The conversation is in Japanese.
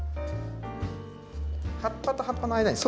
葉っぱと葉っぱの間に。